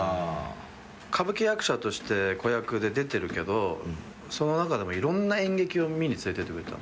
歌舞伎役者として子役で出てるけどその中でもいろんな演劇を見に連れてってくれたの。